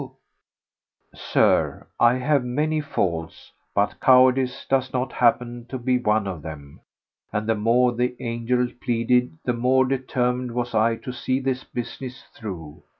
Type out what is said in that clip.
Sir, I have many faults, but cowardice does not happen to be one of them, and the more the angel pleaded the more determined was I to see this business through.